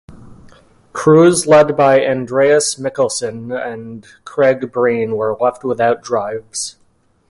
Crews led by Andreas Mikkelsen and Craig Breen were left without drives.